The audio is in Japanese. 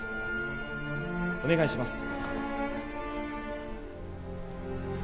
お願いします。